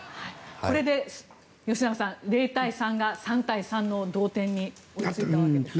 これで吉永さん０対３が、３対３の同点に追いついたわけですね。